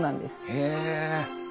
へえ！